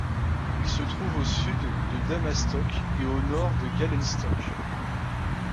Il se trouve au sud de Dammastock et au nord du Galenstock.